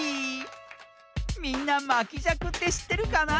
みんなまきじゃくってしってるかな？